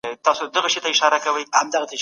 حکومت د افغان کډوالو د جبري ایستلو پرېکړه نه مني.